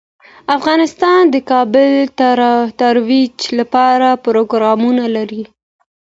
افغانستان د کابل د ترویج لپاره پروګرامونه لري.